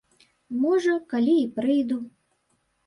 Можа, калі і прыйду.